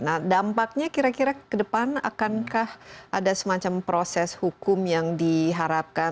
nah dampaknya kira kira ke depan akankah ada semacam proses hukum yang diharapkan